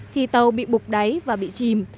thì tàu bị bục đáy và bị chìm